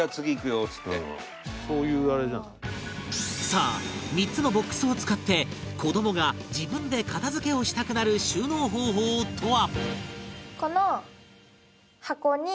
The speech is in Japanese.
さあ３つのボックスを使って子どもが自分で片付けをしたくなる収納方法とは？